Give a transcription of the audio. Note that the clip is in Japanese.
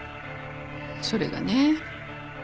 それがね